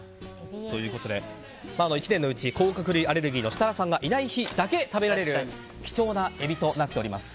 ということで１年のうち甲殻類アレルギーの設楽さんがいない日だけ食べられる貴重なエビとなっております。